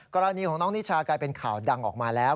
กรณีของน้องนิชากลายเป็นข่าวดังออกมาแล้ว